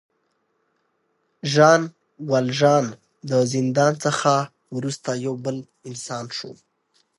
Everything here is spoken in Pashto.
ژان والژان د زندان څخه وروسته یو بل انسان شو.